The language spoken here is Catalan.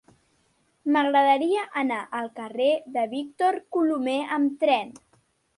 M'agradaria anar al carrer de Víctor Colomer amb tren.